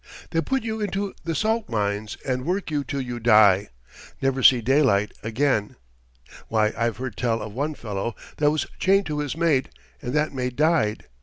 "They put you into the salt mines and work you till you die. Never see daylight again. Why, I've heard tell of one fellow that was chained to his mate, and that mate died.